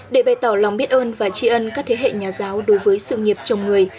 để bày tỏ lòng biết ơn và tri ân các thế hệ nhà giáo đối với sự nghiệp chồng người